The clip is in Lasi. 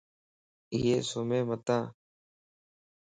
اي سمين متان